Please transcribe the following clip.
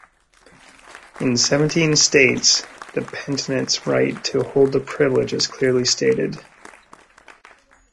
In seventeen states, the penitent's right to hold the privilege is clearly stated.